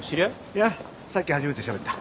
いやさっき初めてしゃべった。